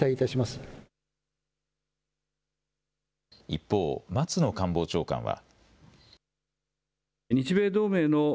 一方、松野官房長官は。